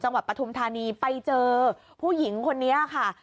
ปฐุมธานีไปเจอผู้หญิงคนนี้ค่ะ